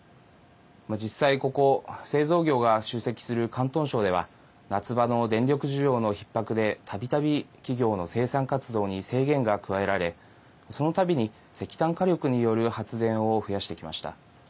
実際ここ、製造業が集積する広東省では夏場の電力需要のひっ迫でたびたび、企業の生産活動に制限が加えられそのたびに石炭火力による発電を増やしてきました。